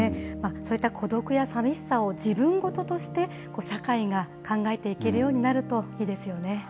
そういった孤独やさみしさを自分事として社会が考えていけるようになるといいですよね。